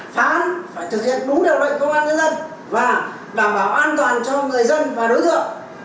phá án phải thực hiện đúng đạo đoạn công an dân dân và bảo bảo an toàn cho người dân và đối tượng